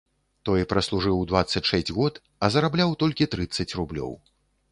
Той праслужыў дваццаць шэсць год, а зарабляў толькі трыццаць рублёў.